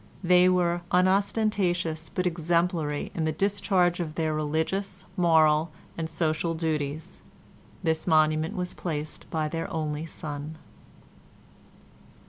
THEY WERE UNOSTENTATIOUS BUT EXEMPLARY IN THE DISCHARGE OF THEIR RELIGIOUS, MORAL, AND SOCIAL DUTIES. THIS MONUMENT WAS PLACED BY THEIR ONLY SON.